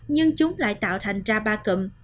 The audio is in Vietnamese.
nhưng chúng lại tạo thành ra ba cụm